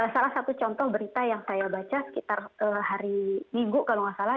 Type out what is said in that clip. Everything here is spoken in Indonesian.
salah satu contoh berita yang saya baca sekitar hari minggu kalau nggak salah